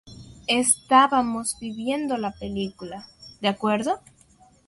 Estábamos viviendo la película, ¿de acuerdo?